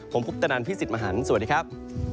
ผมคุปตนันพี่สิทธิ์มหันฯสวัสดีครับ